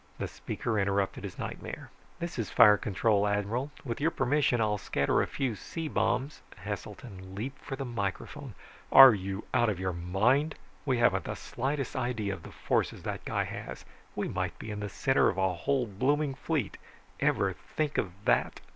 The speaker interrupted his nightmare. "This is fire control, Admiral. With your permission I'll scatter a few C bombs ..." Heselton leaped for the microphone. "Are you out of your mind? We haven't the slightest idea of the forces that guy has. We might be in the center of a whole blooming fleet. Ever think of that?"